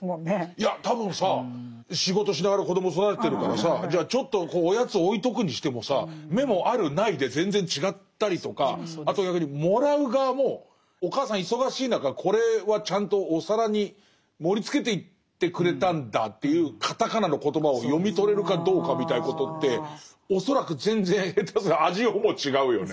いや多分さ仕事しながら子ども育ててるからさじゃあちょっとおやつ置いとくにしてもさメモあるないで全然違ったりとかあとやはりもらう側もお母さん忙しい中これはちゃんとお皿に盛りつけていってくれたんだというカタカナのコトバを読み取れるかどうかみたいなことって恐らく全然下手すりゃ味をも違うよね。